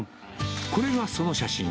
これがその写真。